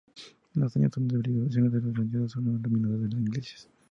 Las arañas son derivaciones de las grandiosas coronas luminosas de las iglesias.